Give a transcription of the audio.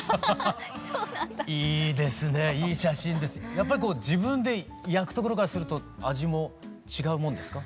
やっぱり自分で焼くところからすると味も違うもんですか？